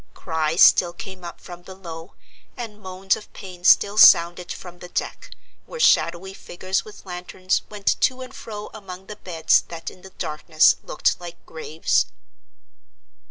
Cries still came up from below, and moans of pain still sounded from the deck, where shadowy figures with lanterns went to and fro among the beds that in the darkness looked like graves.